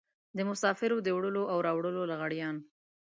د مسافرو د وړلو او راوړلو لغړيان.